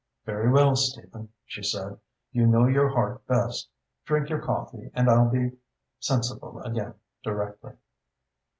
"Very well, Stephen," she said, "you know your heart best. Drink your coffee and I'll be sensible again directly."